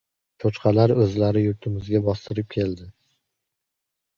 Cho‘chqalar o‘zlari yurtimizga bostirib keldi.